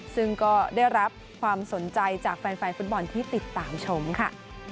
ซึ่งก็ได้รับความสนใจจากแฟนฟุตบอลที่ติดตามชมค่ะ